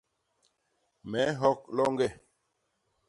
Me nhok loñge.